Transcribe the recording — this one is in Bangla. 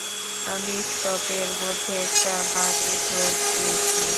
আমি স্তুপের মধ্যে একটা বানি ড্রোন পেয়েছি।